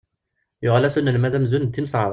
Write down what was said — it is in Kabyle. Yuɣal-as unelmad amzun d timseɛraqt.